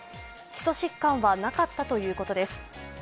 基礎疾患はなかったということです。